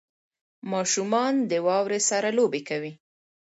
• ماشومان د واورې سره لوبې کوي.